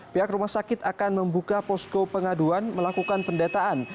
pihak rumah sakit akan membuka posko pengaduan melakukan pendataan